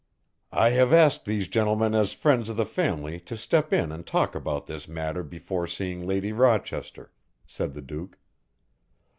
"I have asked these gentlemen as friends of the family to step in and talk about this matter before seeing Lady Rochester," said the Duke.